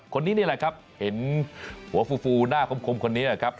คนนี้นี่แหละครับเห็นหัวฟูหน้าคมคนนี้นะครับ